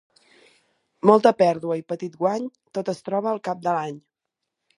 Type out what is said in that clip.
Molta pèrdua i petit guany, tot es troba al cap de l'any.